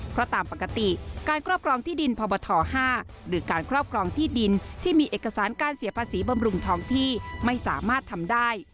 เพราะตามปกติการครอบครองที่ดินพบท๕หรือการครอบครองที่ดินที่มีเอกสารการเสียภาษีบำรุงท้องที่ไม่สามารถทำได้